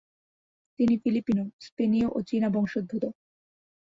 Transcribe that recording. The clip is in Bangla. তিনি ফিলিপিনো, স্পেনীয় ও চীনা বংশোদ্ভূত।